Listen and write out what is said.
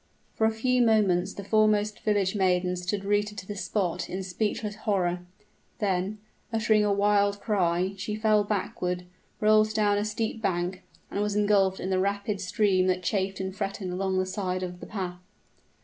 For a few moments the foremost village maiden stood rooted to the spot in speechless horror: then, uttering a wild cry, she fell backward, rolled down a steep bank, and was ingulfed in the rapid stream that chafed and fretted along the side of the path.